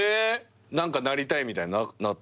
何かなりたいみたいななかった？